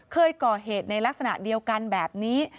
เคยก่อเหตุในลักษณะเดียวกันแบบนี้